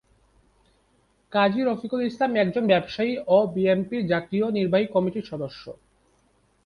কাজী রফিকুল ইসলাম একজন ব্যবসায়ী ও বিএনপির জাতীয় নির্বাহী কমিটির সদস্য।